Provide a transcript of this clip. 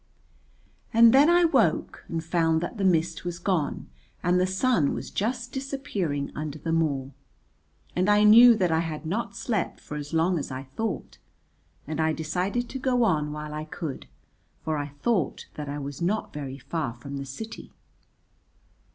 And then I woke and found that the mist was gone and the sun was just disappearing under the moor, and I knew that I had not slept for as long as I thought. And I decided to go on while I could, for I thought that I was not very far from the city.